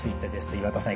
岩田さん